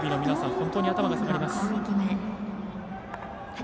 本当に頭が下がります。